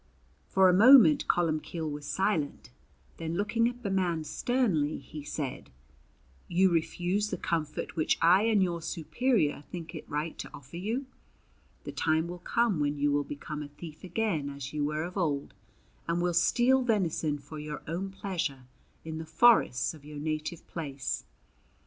For a moment Columbcille was silent, then looking at the man sternly he said: "You refuse the comfort which I and your superior think it right to offer you. The time will come when you will become a thief again as you were of old, and will steal venison for your own pleasure in the forests of your native place."